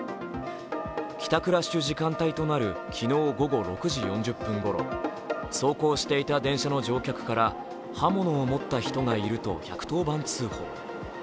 帰宅ラッシュ時間帯となる昨日午後６時４０分ごろ、走行していた電車の乗客から、刃物を持った人がいると１１０番通報。